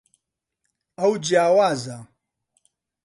ئەو جیاوازە.